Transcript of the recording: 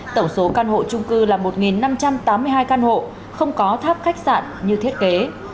tổng số căn hộ trung cư là một năm trăm tám mươi hai căn hộ không có tháp khách sạn như thiết kế